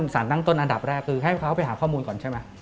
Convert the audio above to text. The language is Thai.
สารตั้งต้นอันดับแรกคือให้เขาไปหาข้อมูลก่อนใช่ไหม